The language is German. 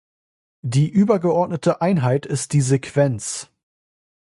Die übergeordnete Einheit ist die Sequenz.